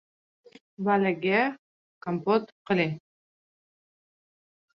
— Balaga kompot kiling.